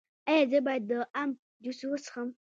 ایا زه باید د ام جوس وڅښم؟